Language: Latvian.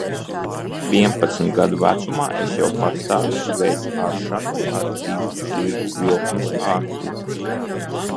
Vienpadsmit gadu vecumā es jau pastāvīgi veicu aršanu ar divu zirgu vilkmes arklu.